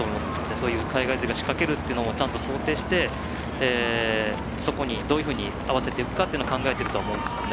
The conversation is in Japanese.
そういう海外勢が仕掛けるっていうのもちゃんと想定してそこにどういうふうに合わせていくかを考えていると思うんです。